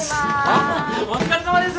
お疲れさまです。